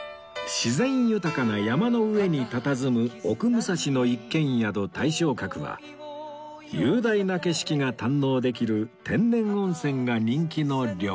自然豊かな山の上にたたずむ奥武蔵の一軒宿大松閣は雄大な景色が堪能できる天然温泉が人気の旅館